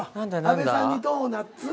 阿部さんにドーナツ。